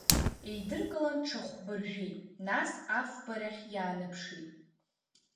Еидыркылан ҽа хәба ржәит, Нас афба рахь иаанаԥшит.